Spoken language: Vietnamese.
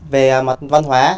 về mặt văn hóa